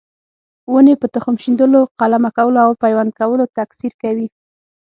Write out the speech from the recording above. ونې په تخم شیندلو، قلمه کولو او پیوند کولو تکثیر کوي.